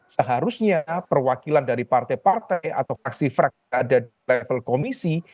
seharusnya perwakilan dari partai partai atau fraksi fraksi ada di level komisi